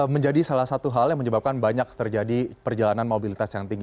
menjadi salah satu hal yang menyebabkan banyak terjadi perjalanan mobilitas yang tinggi